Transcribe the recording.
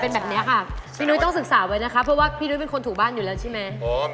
เป็นแบบนี้ค่ะพี่นุ้ยต้องศึกษาไว้นะคะเพราะว่าพี่นุ้ยเป็นคนถูกบ้านอยู่แล้วใช่ไหม